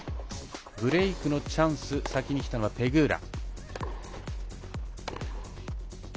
ブレークのチャンス先に来たのはペグーラ。